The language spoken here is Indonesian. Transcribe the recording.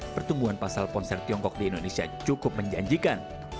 pertumbuhan pasal ponsel tiongkok di indonesia cukup menjanjikan